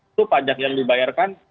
itu pajak yang dibayarkan